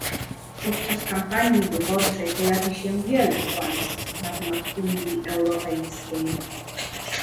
Podczas kampanii wyborczej pojawi się wiele kłamstw na temat Unii Europejskiej